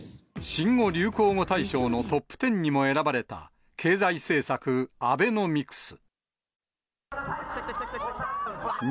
新語・流行語大賞のトップ１０にも選ばれた経済政策、アベノミクス。